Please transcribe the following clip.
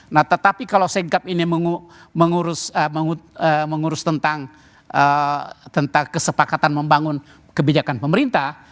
nah tetapi kalau segap ini mengurus tentang kesepakatan membangun kebijakan pemerintah